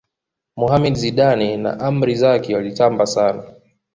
mohammed zidane na amri zaki walitamba sana